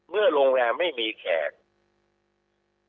เมื่อโรงแรมไม่มีแขก